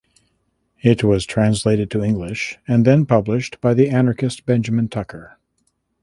It was translated to English and then published by the anarchist Benjamin Tucker.